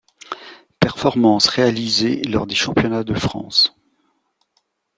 Performances réalisées lors des Championnats de France.